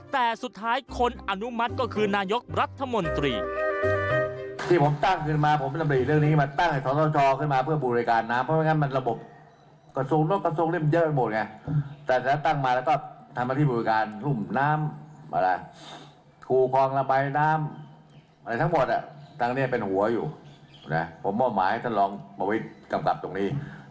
แต่สุดท้ายคนอนุมัติก็คือนายกรัฐมนตรี